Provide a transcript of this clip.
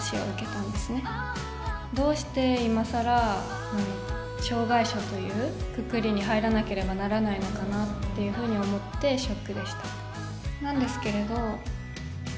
どうして今更障がい者というくくりに入らなければならないのかなっていうふうに思ってショックでした。